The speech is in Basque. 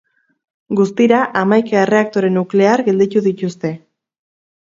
Guztira, hamaika erreaktore nuklear gelditu dituzte.